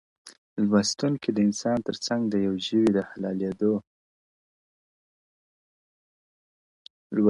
لوستونکی د انسان تر څنګ د يو ژوي د حلالېدو ,